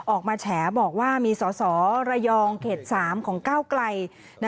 ออกมาแฉบอกว่ามีสอสอระยองเขต๓ของก้าวไกล